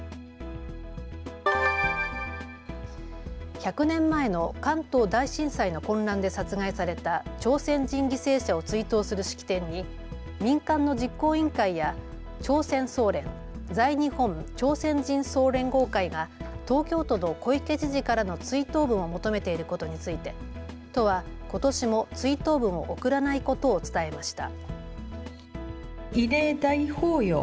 １００年前の関東大震災の混乱で殺害された朝鮮人犠牲者を追悼する式典に民間の実行委員会や朝鮮総連・在日本朝鮮人総連合会が東京都の小池知事からの追悼文を求めていることについて都はことしも追悼文を送らないことを伝えました。